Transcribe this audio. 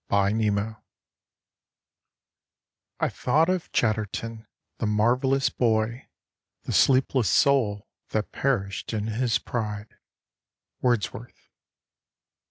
CHATTERTON "I thought of Chatterton, the marvellous boy, The sleepless soul that perished in his pride." Wordsworth.